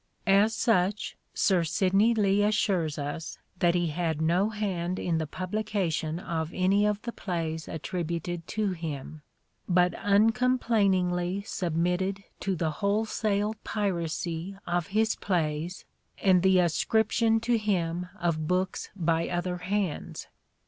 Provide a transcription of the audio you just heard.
As such, Sir Sidney Lee assures us that he had no hand in the publication of any of the plays attributed to him, but " un complainingly submitted to the wholesale piracy of his plays and the ascription to him of books by other hands."